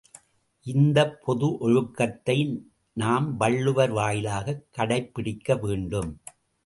இந்த பொது ஒழுக்கத்தை நாம் வள்ளுவர் வாயிலாகக் கடைப்பிடிக்க வேண்டும்.